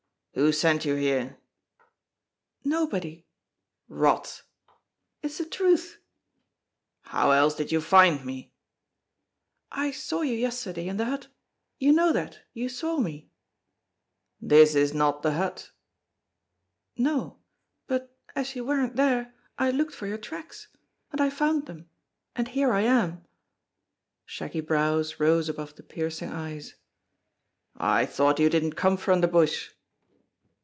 "Who sent you here?" "Nobody." "Rot!" "It's the truth." "How else did you find me?" "I saw you yesterday in the hut; you know that; you saw me." "This is not the hut." "No, but as you weren't there I looked for your tracks. And I found them. And here I am." Shaggy brows rose above the piercing eyes. "I thought you didn't come from the bush?"